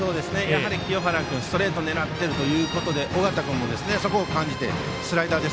清原君、ストレートを狙っているということで尾形君もそこを感じてスライダー。